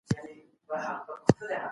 موږ دواړو ته درناوی لرو.